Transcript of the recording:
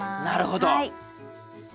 なるほど。